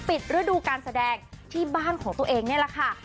ปิดฤดูการแสดงที่บ้านของตัวเองนี่แหละค่ะ